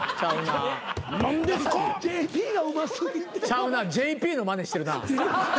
ちゃうなＪＰのまねしてるな。